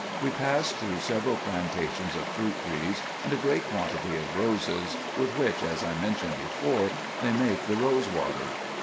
We passed through several plantations of fruit trees, and a great quantity of roses, with which, as I mentioned before, they make the rose water.